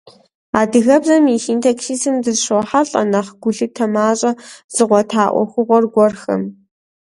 Адыгэбзэм и синтаксисым дыщрохьэлӏэ нэхъ гулъытэ мащӏэ зыгъуэта ӏуэхугъуэ гуэрхэм.